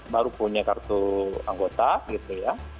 baru punya kartu anggota gitu ya